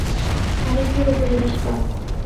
আমি পুরোপুরি নিষ্পাপ!